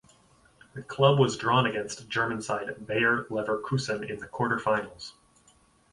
The club was drawn against German side Bayer Leverkusen in the quarter-finals.